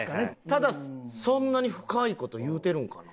ただそんなに深い事言うてるんかな？